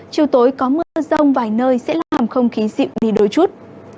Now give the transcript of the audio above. chiều tối có mưa rông vài nơi sẽ làm không khí dịu đi đôi chút